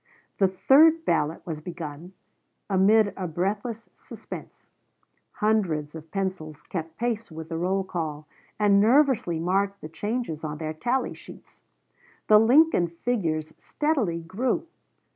The third ballot was begun amid a breathless suspense; hundreds of pencils kept pace with the roll call, and nervously marked the changes on their tally sheets. The Lincoln figures steadily grew.